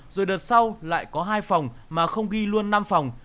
rồi đợt sau lại có hai phòng mà không ghi luôn năm phòng